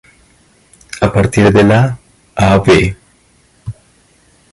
A partir de la Av.